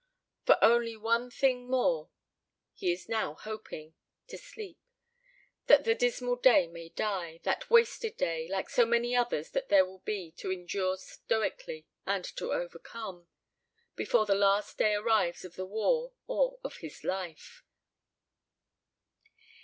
For only one thing more he is now hoping to sleep, that the dismal day may die, that wasted day, like so many others that there will be to endure stoically and to overcome, before the last day arrives of the war or of his life.